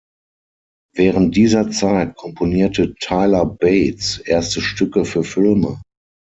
Während dieser Zeit komponierte Tyler Bates erste Stücke für Filme.